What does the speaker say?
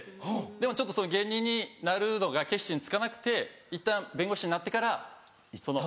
でもちょっと芸人になるのが決心つかなくていったん弁護士になってからその。